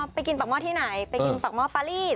ไปกินปากหม้อที่ไหนไปกินปากหม้อปารี่